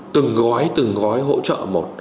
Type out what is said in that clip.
từng gói hỗ trợ một